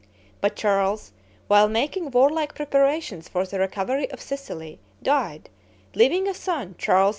But Charles, while making warlike preparations for the recovery of Sicily, died, leaving a son, Charles II.